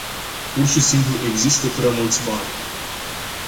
Pur și simplu există prea mulți bani.